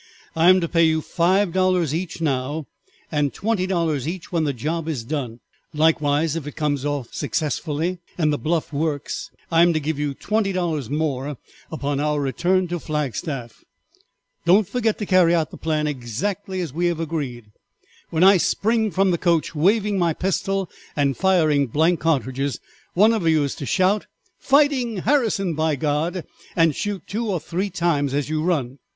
"I am to pay you five dollars each now, and twenty dollars each when the job is done, likewise if it comes off successfully and the bluff works I am to give you twenty dollars more upon our return to Flagstaff. Don't forget to carry out the plan exactly as we have agreed. When I spring from the coach waving my pistol and firing blank cartridges, one of you is to shout, 'Fighting Harrison, by God!' and shoot two or three times as you run.